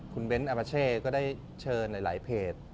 คุณเบ้นอามาเช่ก็ได้เชิญหลายเพจ